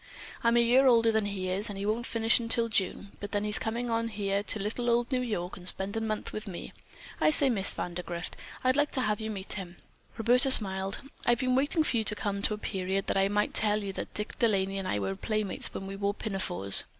I'm a year older than he is, and he won't finish until June, then he's coming on here to little old New York and spend a month with me. I say, Miss Vandergrift, I'd like to have you meet him." Roberta smiled. "I've been waiting for you to come to a period that I might tell you that Dick De Laney and I were playmates when we wore pinafores.